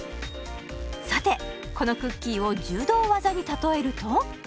さてこのクッキーを柔道技に例えると？